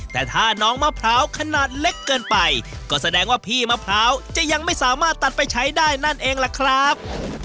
แต่ถ้าน้องมะพร้าวขนาดเล็กเกินไปก็แสดงว่าพี่มะพร้าวจะยังไม่สามารถตัดไปใช้ได้นั่นเองล่ะครับ